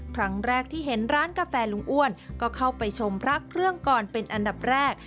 ครั้งแรกที่เห็นร้านกาแฟลุงอ้วนก็เข้าไปชมพระเครื่องก่อนเป็นอันดับแรก